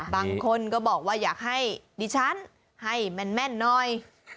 บางคนก็บอกว่าอยากให้ดิฉันให้แม่นหน่อย